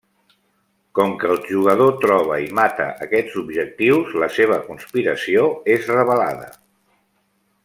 Com que el jugador troba i mata aquests objectius, la seva conspiració és revelada.